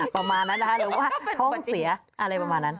ประมาณนั้นหรือว่าท่องเสียอะไรประมาณนั้น